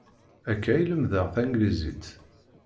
Akka i lemdeɣ taneglizit.